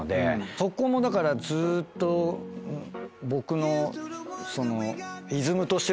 そこもだからずっと僕のその。